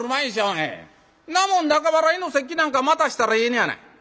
そんなもん中払の節季なんか待たしたらええのやない」。